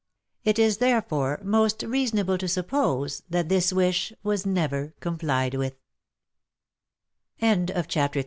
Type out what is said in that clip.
It is, therefore, most reasonable to suppose that this wish was never complied with.